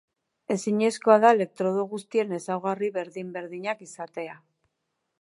Ezinezkoa da elektrodo guztiek ezaugarri berdin-berdinak izatea.